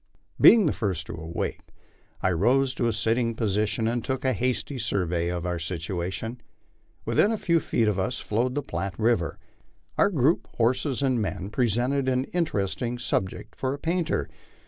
Being the first to awake, I rose to a sitting posture and took a hasty survey of our situation. Within a few feet of us flowed the Platte river. Our group, horses and men, presented an interesting subject for a painter.